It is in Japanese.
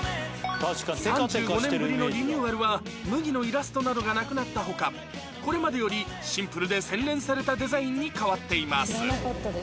３５年ぶりのリニューアルは麦のイラストなどがなくなった他これまでよりシンプルで洗練されたデザインに変わっています